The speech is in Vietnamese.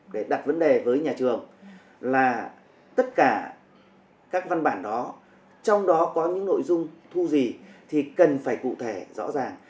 để đặt vấn đề với nhà trường là tất cả các văn bản đó trong đó có những nội dung thu gì thì cần phải cụ thể rõ ràng